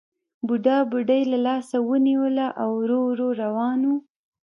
بوډا بوډۍ له لاسه نیولې وه او ورو ورو روان وو